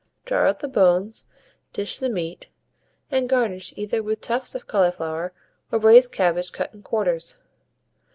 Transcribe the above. Draw out the bones, dish the meat, and garnish either with tufts of cauliflower or braised cabbage cut in quarters.